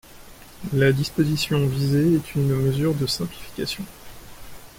La disposition visée est une mesure de simplification.